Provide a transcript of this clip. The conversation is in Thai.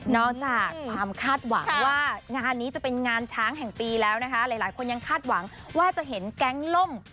จากความคาดหวังว่างานนี้จะเป็นงานช้างแห่งปีแล้วนะคะหลายคนยังคาดหวังว่าจะเห็นแก๊งล่ม